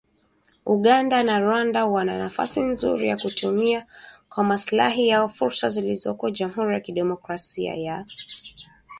Uganda na Rwanda wana nafasi nzuri ya kutumia kwa maslahi yao fursa zilizoko Jamhuri ya Kidemokrasia ya Kongo